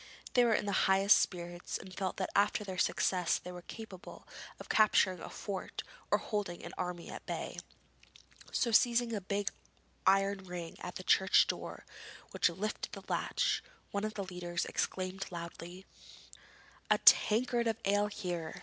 They were in the highest spirits and felt that after their success they were capable of capturing a fort or holding an army at bay. So seizing the big iron ring on the church door which lifted the latch, one of the leaders exclaimed loudly: 'A tankard of ale here!'